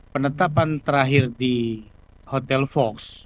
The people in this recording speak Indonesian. penetapan terakhir di hotel fox